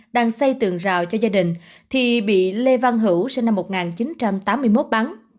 đang xây tường rào cho gia đình thì bị lê văn hữu sinh năm một nghìn chín trăm tám mươi một bắn